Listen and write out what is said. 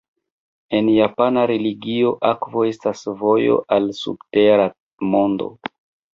En japana religio, akvo estas vojo al subtera mondo.